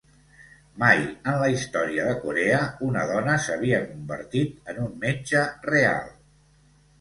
Mai en la història de Corea una dona s'havia convertit en un metge real.